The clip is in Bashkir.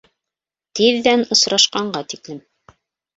Тиҙҙән осрашҡанға тиклем!